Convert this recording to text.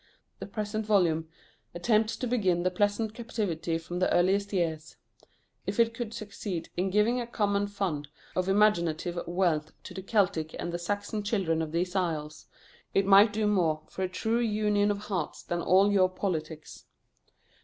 The present volume attempts to begin the pleasant captivity from the earliest years. If it could succeed in giving a common fund of imaginative wealth to the Celtic and the Saxon children of these isles, it might do more for a true union of hearts than all your politics.